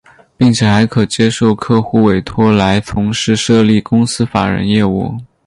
并且还可接受客户委托来从事设立公司法人业务。